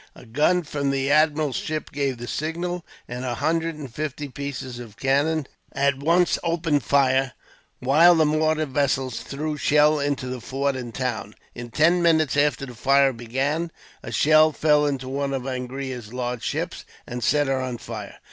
A gun from the admiral's ship gave the signal, and a hundred and fifty pieces of cannon at once opened fire, while the mortar vessels threw shell into the fort and town. In ten minutes after the fire began, a shell fell into one of Angria's large ships, and set her on fire.